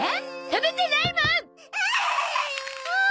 食べてないもん！